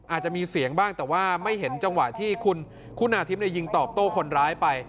อาจจะมีเสียงบ้างแต่ว่าไม่เห็นจังหวะที่คุณาทิพย์ยิงตอบโต้คนร้ายไป